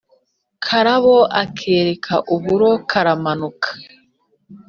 karabo akereka uburo karamanuka.